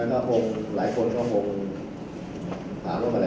ต้องมีแบบเข้ามองเวลาไม่เอ่อ